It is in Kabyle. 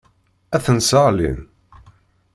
Ad ten-sseɣlin.